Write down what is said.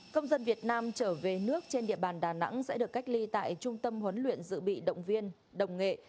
công dân việt nam trở về nước trên địa bàn đà nẵng sẽ được cách ly tại trung tâm huấn luyện dự bị động viên đồng nghệ